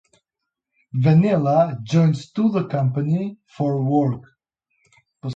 Vennila joins to the company for work.